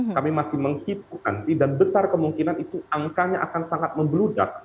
kami masih menghitung andi dan besar kemungkinan itu angkanya akan sangat membeludak